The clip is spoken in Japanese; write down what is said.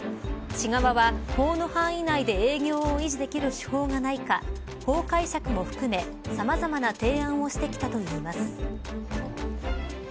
市側は法の範囲内で営業を維持できる手法がないか法解釈も含め、さまざまな提案をしてきたといいます。